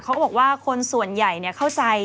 เขาบอกว่าคนส่วนใหญ่เข้าใจ